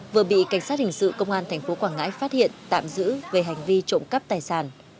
vừa bị cảnh sát hình sự công an tp quảng ngãi phát hiện tạm giữ về hành vi trộm cắp tài sản